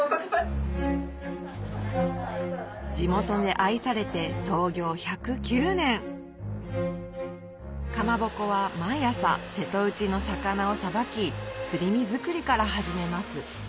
地元で愛されて創業１０９年蒲鉾は毎朝瀬戸内の魚をさばきすり身作りから始めます